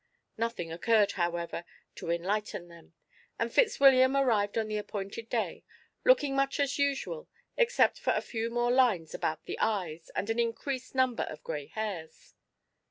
Nothing occurred, however, to enlighten them, and Fitzwilliam arrived on the appointed day, looking much as usual except for a few more lines about the eyes and an increased number of grey hairs.